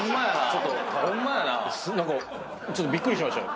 ちょっとびっくりしましたよ。